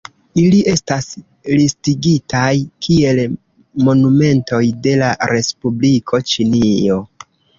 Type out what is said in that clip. Ili estas listigitaj kiel monumentoj de la respubliko Ĉinio.